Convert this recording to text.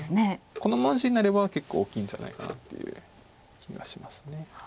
このまま地になれば結構大きいんじゃないかなっていう気がします。